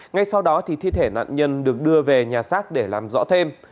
ngay sau đó thì thi thể nạn nhân được đưa về nhà xác để làm rõ thêm